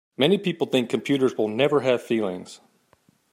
Many people think computers will never have feelings.